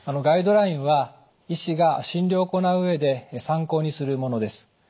ガイドラインは医師が診療を行う上で参考にするものです。